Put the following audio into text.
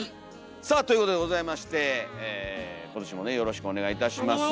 さあということでございまして今年もねよろしくお願いいたします。